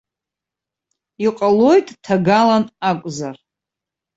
Иҟалоит, ҭагалан акәзар.